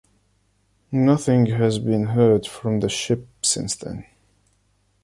Nothing has been heard from the ship since then.